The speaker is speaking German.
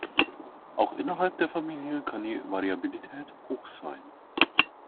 Auch innerhalb der Familie kann die Variabilität hoch sein.